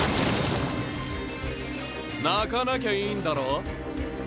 泣かなきゃいいんだろ？